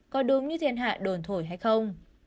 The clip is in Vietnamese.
có đúng như thiên hạ đồn thổi hay không